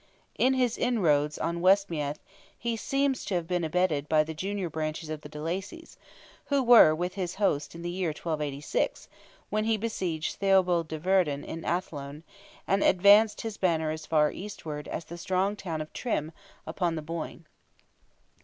In his inroads on West Meath he seems to have been abetted by the junior branches of the de Lacys, who were with his host in the year 1286, when he besieged Theobald de Verdon in Athlone, and advanced his banner as far eastward as the strong town of Trim, upon the Boyne.